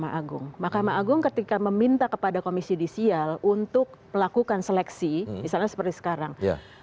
maka makam agung ketika meminta kepada komisi judisial untuk melakukan seleksi misalnya seperti sekarang